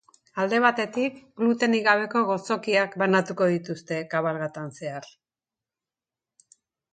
Alde batetik, glutenik gabeko gozokiak banatuko dituzte kabalgatan zehar.